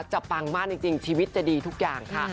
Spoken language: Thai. ปังมากจริงชีวิตจะดีทุกอย่างค่ะ